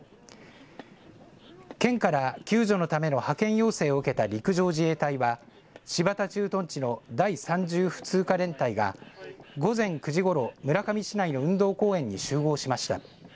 県から救助のための派遣要請を受けた陸上自衛隊は新発田駐屯地の第３０普通科連隊が午前９時ごろ、村上市内の運動公園に集合しました。